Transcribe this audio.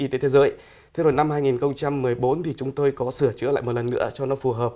thế rồi năm hai nghìn một mươi bốn thì chúng tôi có sửa chữa lại một lần nữa cho nó phù hợp